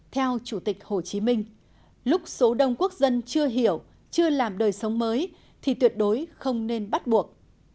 theo chủ tịch hồ chí minh lúc số đông quốc dân chưa hiểu chưa làm đời sống mới thì tuyệt đối không nên bắt buộc